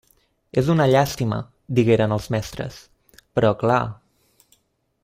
És una llàstima —digueren els mestres—, però clar...